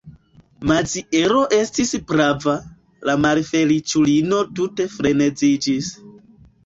Maziero estis prava: la malfeliĉulino tute freneziĝis.